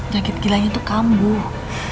nyakit gilanya tuh kambuh